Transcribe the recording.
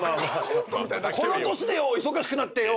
この年でよ忙しくなってよ